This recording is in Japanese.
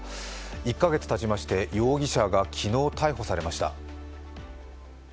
１か月たちまして、容疑者が昨日逮捕されました。